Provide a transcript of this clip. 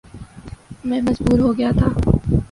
میں مجبور ہو گیا تھا